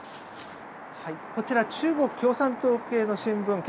こちら中国共産党系の新聞